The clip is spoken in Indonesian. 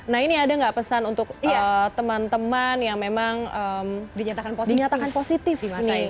nah ini ada nggak pesan untuk teman teman yang memang dinyatakan positif di masa ini